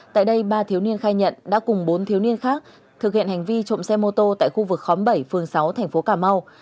tại đây ba thiếu niên khai nhận đã cùng bốn thiếu niên khác thực hiện hành vi trộm xe mô tô tại khu vực khóm bảy phường sáu tp cà mau